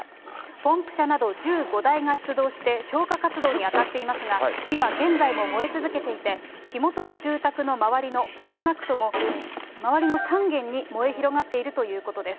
ポンプ車など１５台が出動して、消火活動に当たっていますが、火は現在も燃え続けていて、火元の住宅の周りの、少なくとも、周りの３軒に燃え広がっているということです。